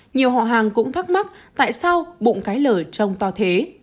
nhiều họ hàng cũng thắc mắc tại sao bụng cái lở trông to thế